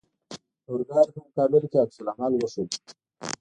د اورګاډي په مقابل کې عکس العمل وښود.